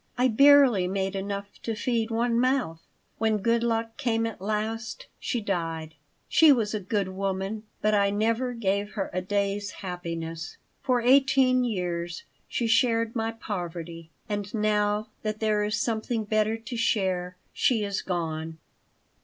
"I barely made enough to feed one mouth. When good luck came at last, she died. She was a good woman, but I never gave her a day's happiness. For eighteen years she shared my poverty. And now, that there is something better to share, she is gone."